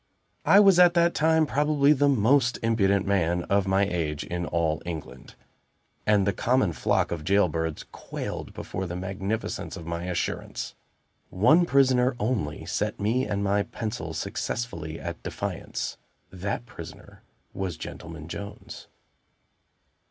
I was at that time probably the most impudent man of my age in all England, and the common flock of jail birds quailed before the magnificence of my assurance. One prisoner only set me and my pencil successfully at defiance. That prisoner was Gentleman Jones.